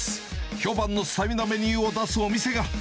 評判のスタミナメニューを出すお店が。